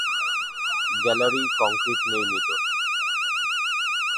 Gallery concrete নির্মিত।